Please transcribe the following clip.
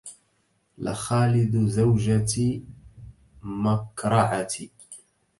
لخالد زوجة مكرعة